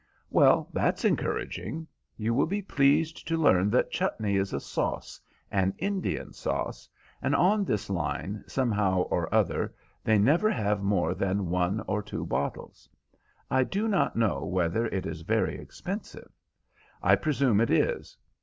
"Well, that's encouraging. You will be pleased to learn that chutney is a sauce, an Indian sauce, and on this line somehow or other they never have more than one or two bottles. I do not know whether it is very expensive. I presume it is.